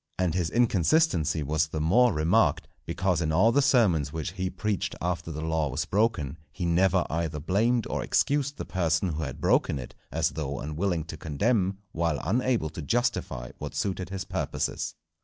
And his inconsistency was the more remarked, because in all the sermons which he preached after the law was broken, he never either blamed or excused the person who had broken it, as though unwilling to condemn, while unable to justify what suited his purposes.